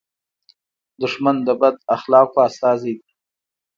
دښمن د بد اخلاقو استازی دی